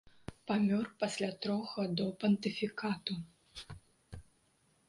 Памёр пасля трох гадоў пантыфікату.